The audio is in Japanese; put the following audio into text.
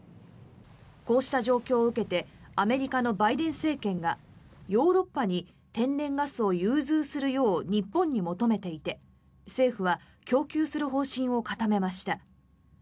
こうした状況を受けてアメリカのバイデン政権がヨーロッパに天然ガスを融通するよう日本に求めていて政府は供給する方針を固めました。